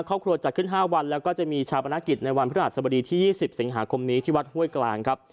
ครอบครัวจัดขึ้น๕วันแล้วก็จะมีชาวประณากิจในวันพระหัสสบดีที่๒๐เสียงหาคมนี้ที่วัดห้วยกลาง